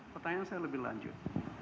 pertanyaan saya lebih lanjut